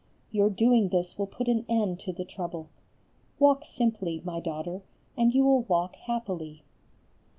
Your doing this will put an end to the trouble. Walk simply, my daughter, and you will walk happily.